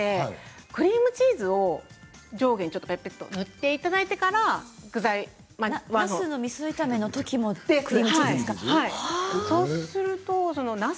クリームチーズを上下に塗っていただいてからなすのみそ炒めのときもそうなんです。